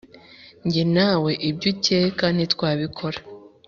nge nawe ibyukeka ntitwabikora.